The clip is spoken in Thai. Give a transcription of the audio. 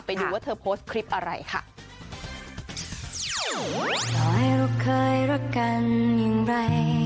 ไปดูว่าเธอโพสต์คลิปอะไรค่ะ